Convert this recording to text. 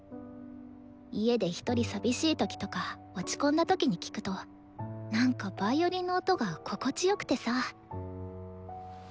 家でひとり寂しい時とか落ち込んだ時に聴くとなんかヴァイオリンの音が心地よくてさ。